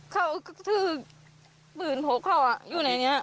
เขาถือปืนพกเขาอยู่ในนี้